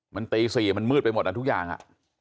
มันตี๔มันมืดไปหมดนั้นทุกอย่างอ่ะ